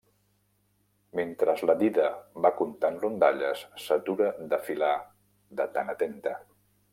Mentres la dida va contant rondalles, s'atura de filar de tan atenta.